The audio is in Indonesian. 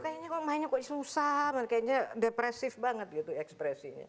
kayaknya kok mainnya susah kayaknya depresif banget gitu ekspresi